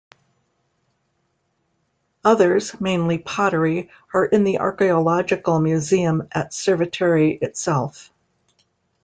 Others, mainly pottery, are in the Archaeological Museum at Cerveteri itself.